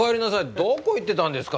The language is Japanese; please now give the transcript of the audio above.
どこ行ってたんですか？